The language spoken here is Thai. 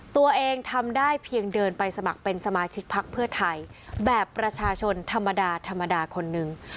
ตัวเองทำได้เพียงเดินไปสมัครเป็นสมาชิกพักเพื่อไทยแบบประชาชนธรรมดาธรรมดาคนนึง